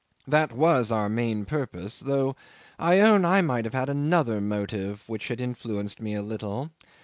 That was our main purpose, though, I own, I might have had another motive which had influenced me a little.